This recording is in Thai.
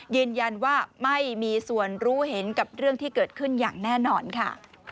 ยืนยันว่าไม่มีส่วนรู้เห็นกับเรื่องที่เกิดขึ้นอย่างแน่นอนค่ะ